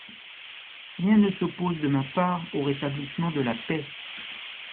»Rien ne s'oppose de ma part au rétablissement de la paix.